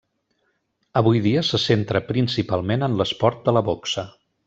Avui dia se centra principalment en l'esport de la boxa.